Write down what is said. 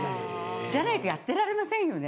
じゃないとやってられませんよね。